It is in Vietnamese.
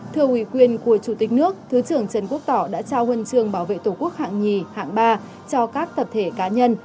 thưa ủy quyền của chủ tịch nước thứ trưởng trần quốc tỏ đã trao huân trường bảo vệ tổ quốc hạng nhì hạng ba cho các tập thể cá nhân